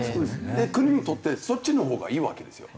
国にとってそっちのほうがいいわけですよ。